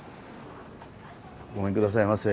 ごめんくださいませ。